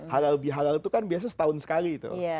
halal bihalal itu kan biasa setahun sekali tuh